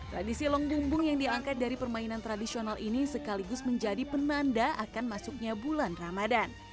tradisi long bumbung yang diangkat dari permainan tradisional ini sekaligus menjadi penanda akan masuknya bulan ramadan